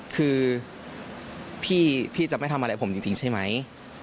คือพี่จะไม่ทำอะไรผมจริงใช่ไหม